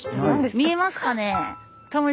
見えますかね？